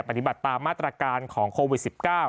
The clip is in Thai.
ปฏิบัติตามมาตรการของโควิด๑๙